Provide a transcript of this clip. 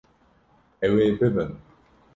Ew ê bibin.